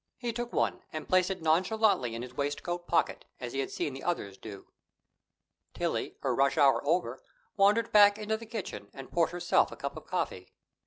He took one, and placed it nonchalantly in his waistcoat pocket, as he had seen the others do. Tillie, her rush hour over, wandered back into the kitchen and poured herself a cup of coffee.